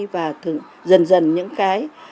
và dần dần những cái